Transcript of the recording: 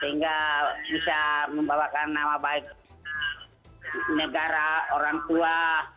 sehingga bisa membawakan nama baik negara orang tua